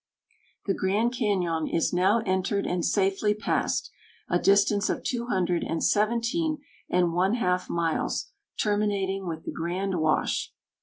The Grand Cañon is now entered and safely passed, a distance of two hundred and seventeen and one half miles, terminating with the Grand Wash.